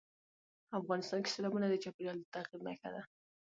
افغانستان کې سیلابونه د چاپېریال د تغیر نښه ده.